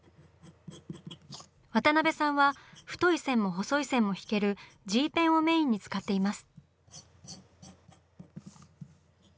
渡辺さんは太い線も細い線も引けるＧペンをメインに使っています。